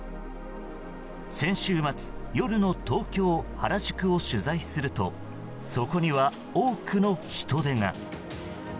先週末、夜の東京・原宿を取材するとそこには、多くの人出が。